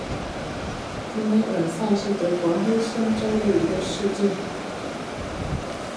迪梅尔塞是德国黑森州的一个市镇。